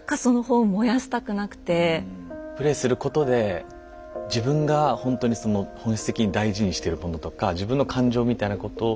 プレイすることで自分がほんとにその本質的に大事にしてるものとか自分の感情みたいなことに気付くというか。